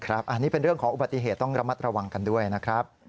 อันนี้เป็นเรื่องของอุบัติเหตุต้องระมัดระวังกันด้วยนะครับ